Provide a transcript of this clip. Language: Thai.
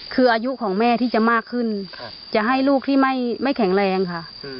คืออายุของแม่ที่จะมากขึ้นจะให้ลูกที่ไม่แข็งแรงค่ะ